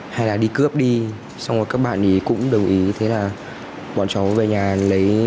hay là đi cướp đi xong rồi các bạn ý cũng đồng ý thế là bọn cháu về nhà lấy